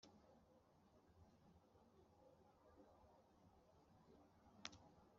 umutambya akawushinga mo inkokora,